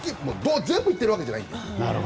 全部行ってるわけじゃないんで。